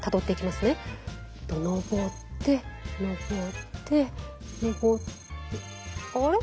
上って上って上ってあれ？